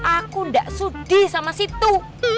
aku gak sudi sama situ